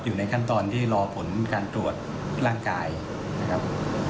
อยู่ในขั้นตอนที่รอผลการตรวจร่างกายนะครับ